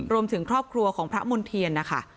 รวมถึงครอบครัวของพระมณ์เทียนนะคะ